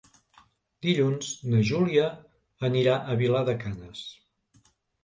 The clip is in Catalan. Dilluns na Júlia anirà a Vilar de Canes.